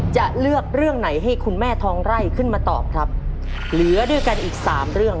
จะเลือกเรื่องไหนให้คุณแม่ทองไร่ขึ้นมาตอบครับเหลือด้วยกันอีกสามเรื่อง